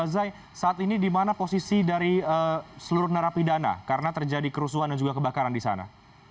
zai saat ini di mana posisi dari seluruh narapidana karena terjadi kerusuhan dan juga kebakaran di sana